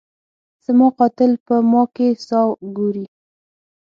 زما قاتل په ما کي ساه ګوري